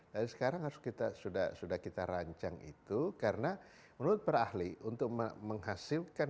tapi sekarang harus kita sudah sudah kita rancang itu karena menurut para ahli untuk menghasilkan